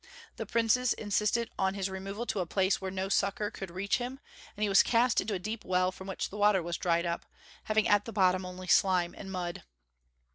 The princes insisted on his removal to a place where no succor could reach him, and he was cast into a deep well from which the water was dried up, having at the bottom only slime and mud.